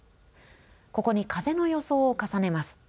ここに風の予想を重ねます。